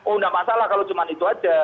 oh tidak masalah kalau cuma itu aja